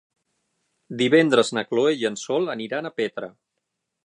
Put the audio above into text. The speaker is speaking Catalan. Divendres na Chloé i en Sol aniran a Petra.